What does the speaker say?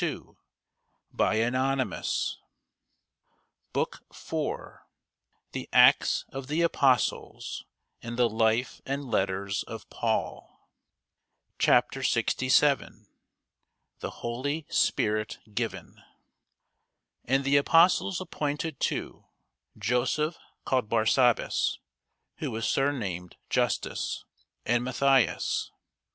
BOOK IV THE ACTS OF THE APOSTLES AND THE LIFE AND LETTERS OF PAUL CHAPTER 67 THE HOLY SPIRIT GIVEN AND the apostles appointed two, Joseph called Barsabas, who was surnamed Justus, and Matthias.